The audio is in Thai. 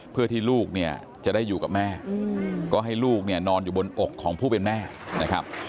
เพื่อที่ลูกเนี่ยจะได้อยู่กับแม่ก็ให้ลูกเนี่ยนอนอยู่บนอกของผู้เป็นแม่นะครับ